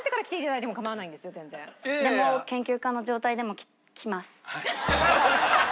でも研究家の状態でもき来ます。